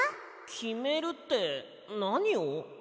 きめるってなにを？